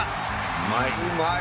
うまい。